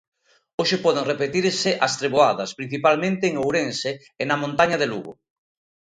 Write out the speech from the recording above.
Hoxe poden repetirse as treboadas, principalmente en Ourense e na montaña de Lugo.